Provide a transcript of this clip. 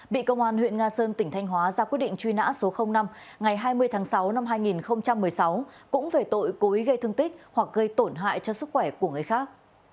bị công an huyện nga sơn tỉnh thanh hóa ra quy định truy nã số năm ngày hai mươi sáu hai nghìn một mươi sáu cũng về tội cối gây thương tích hoặc gây tổn hại cho sức khỏe của người khác